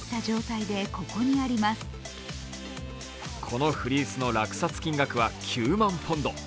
このフリースの落札金額は９万ポンド。